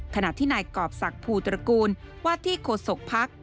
ขณะที่นายกรอบศักดิ์ภูตระกูลว่าที่โฆษกภักดิ์